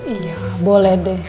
iya boleh deh